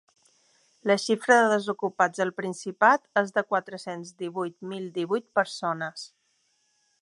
La xifra de desocupats al Principat és de quatre-cents divuit mil divuit persones.